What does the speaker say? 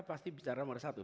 pasti bicara sama satu